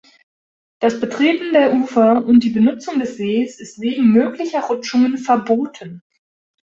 Das Betreten der Ufer und die Benutzung des Sees ist wegen möglicher Rutschungen verboten.